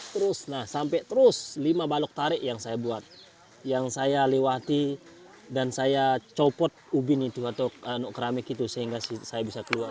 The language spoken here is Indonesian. terus nah sampai terus lima balok tarik yang saya buat yang saya lewati dan saya copot ubin itu atau keramik itu sehingga saya bisa keluar